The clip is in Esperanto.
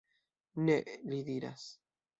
Ne, li diras.